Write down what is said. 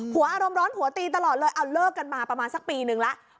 อารมณ์ร้อนผัวตีตลอดเลยเอาเลิกกันมาประมาณสักปีนึงแล้ว